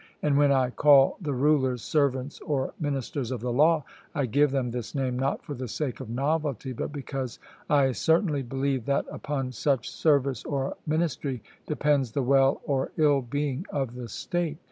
And when I call the rulers servants or ministers of the law, I give them this name not for the sake of novelty, but because I certainly believe that upon such service or ministry depends the well or ill being of the state.